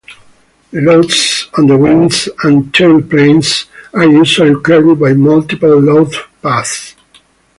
The loads on the wings and tailplanes are usually carried by multiple load paths.